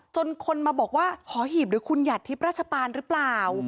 จนคนมาบอกว่าหอหีบหรือคุณหัดทิพย์ราชปานหรือเปล่า